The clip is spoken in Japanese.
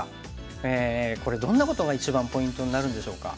これどんなことが一番ポイントになるんでしょうか？